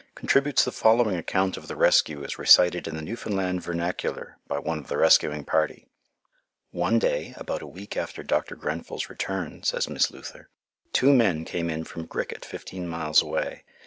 contributes the following account of the rescue as recited in the Newfoundland vernacular by one of the rescuing party. "One day, about a week after Dr. Grenfell's return," says Miss Luther, "two men came in from Griquet, fifteen miles away.